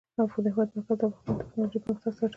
د هېواد مرکز د افغانستان د تکنالوژۍ پرمختګ سره تړاو لري.